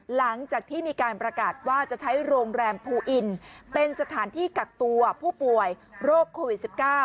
หลังจากที่มีการประกาศว่าจะใช้โรงแรมภูอินเป็นสถานที่กักตัวผู้ป่วยโรคโควิด๑๙